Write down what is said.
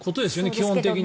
基本的には。